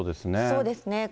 そうですね。